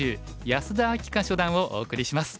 安田明夏初段」をお送りします。